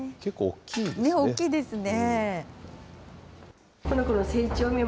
大きいですね。